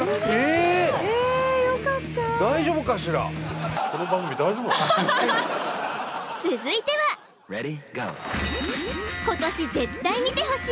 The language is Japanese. えっよかった続いては今年絶対見てほしい！